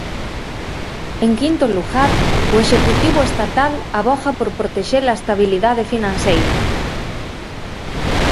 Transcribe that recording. En quinto lugar, o Executivo estatal avoga por protexer a estabilidade financeira.